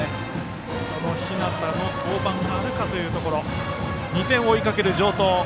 その日當の登板があるかというところ２点を追いかける城東。